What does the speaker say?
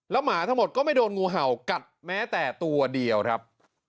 หมาทั้งหมดก็ไม่โดนงูเห่ากัดแม้แต่ตัวเดียวครับ